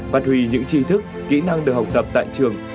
phát huy những trí thức kỹ năng được học tập tại trường